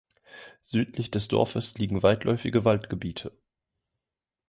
Südlich des Dorfes liegen weitläufige Waldgebiete.